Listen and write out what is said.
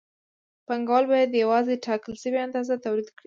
پانګوال باید یوازې ټاکل شوې اندازه تولید کړي